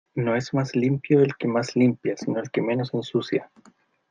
No es más limpio el que más limpia, sino el que menos ensucia.